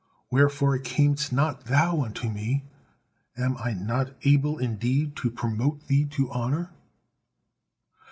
Wherefore camest not thou unto me? Am I not able indeed to promote thee to honor?"